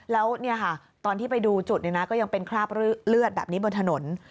แล้วตอนที่ไปดูจุดก็ยังเป็นคราบเลือดแบบนี้บนถนน